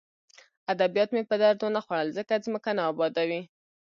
ادبیات مې په درد ونه خوړل ځکه ځمکه نه ابادوي